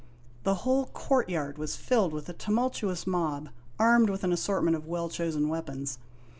The whole courtyard was filled with a tumultuous mob armed with an assortment of well chosen weapons.